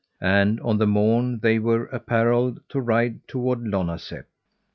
And on the morn they were apparelled to ride toward Lonazep.